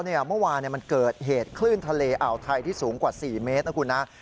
เมื่อวานมันเกิดเหตุคลื่นทะเลอ่าวไทยที่สูงกว่า๔เมตรนะคุณนะ